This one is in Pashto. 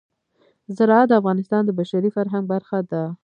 زراعت د افغانستان د بشري فرهنګ برخه ده.